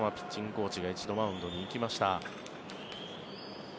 コーチが１度、マウンドに行きました。